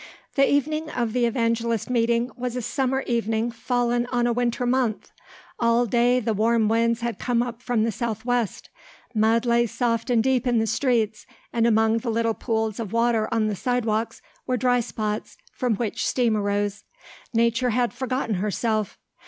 The evening of the evangelist meeting was a summer evening fallen on a winter month. All day the warm winds had come up from the southwest. Mud lay soft and deep in the streets and among the little pools of water on the sidewalks were dry spots from which steam arose. Nature had forgotten herself.